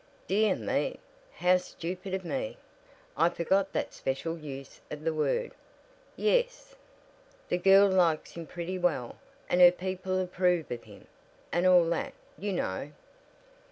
"Dear me! How stupid of me! I forgot that special use of the word. Yes?" "The girl likes him pretty well, and her people approve of him, and all that, you know."